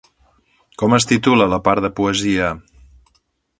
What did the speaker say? Com es titula la part de poesia?